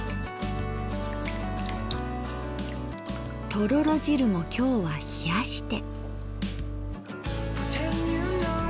とろろ汁も今日は冷やして。